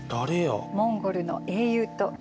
モンゴルの英雄といえば！